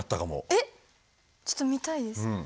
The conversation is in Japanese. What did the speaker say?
えっちょっと見たいです。